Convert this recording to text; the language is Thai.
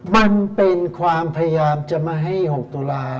มันเป็นความพยายามจะมาให้๖ตุลา